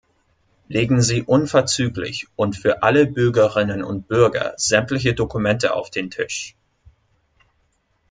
Legen Sie unverzüglich und für alle Bürgerinnen und Bürger sämtliche Dokumente auf den Tisch.